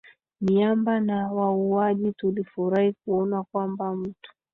miamba na wauaji Tulifurahi kuona kwamba mtu